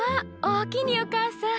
おおきにおかあさん。